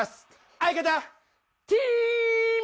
相方ティム